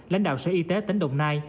lãnh đạo sở y tế tỉnh đồng nai